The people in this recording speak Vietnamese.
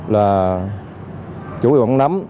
là chủ yếu bản nắm